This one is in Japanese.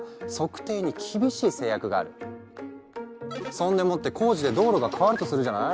そんでもって工事で道路が変わるとするじゃない？